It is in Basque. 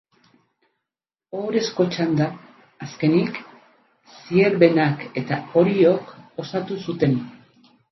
Ohorezko txanda, azkenik, Zierbenak eta Oriok osatu zuten.